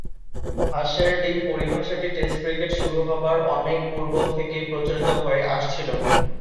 হাঁসের ডিম পরিভাষাটি test cricket শুরু হবার অনেক পূর্ব থেকেই প্রচলিত হয়ে আসছিল।